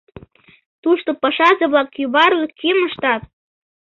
Тушто пашазе-влак кӱварлык кӱм ыштат.